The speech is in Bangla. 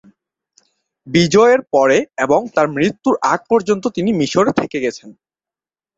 বিজয়ের পরে এবং তাঁর মৃত্যুর আগ পর্যন্ত তিনি মিশরে থেকে গেছেন।